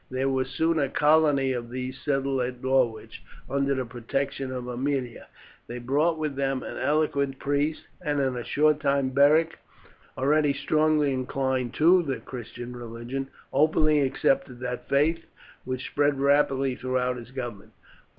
There was soon a colony of these settled at Norwich under the protection of Aemilia. They brought with them an eloquent priest, and in a short time Beric, already strongly inclined to the Christian religion, openly accepted that faith, which spread rapidly throughout his government.